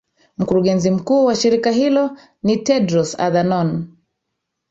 Mkurugenzi mkuu wa shirika hilo ni Tedros Adhanom